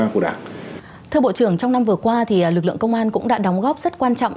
một mươi ba của đảng thưa bộ trưởng trong năm vừa qua thì lực lượng công an cũng đã đóng góp rất quan trọng